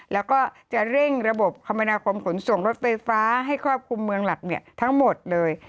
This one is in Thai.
แล้วก็จะเร่งระบบคมนาคมขนส่งรถไฟฟ้าให้ครอบคลุมเมืองหลักทั้งหมดเลย